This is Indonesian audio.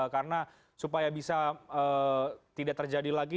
karena supaya bisa tidak terjadi lagi